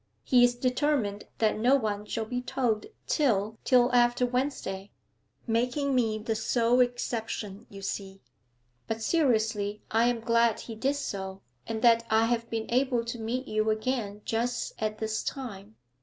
He is determined that no one shall be told till till after Wednesday making me the sole exception, you see. But seriously I am glad he did so, and that I have been able to meet you again just at this time.